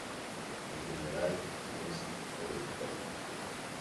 En general no es hereditario.